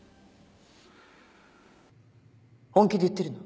本気で言ってるの？